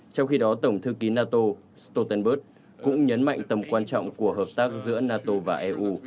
trong khi đó tổng thư ký nato stoltenberg cũng nhấn mạnh tầm quan trọng của hợp tác giữa nato và eu